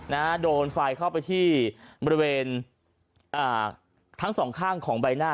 นะฮะโดนไฟเข้าไปที่บริเวณอ่าทั้งสองข้างของใบหน้า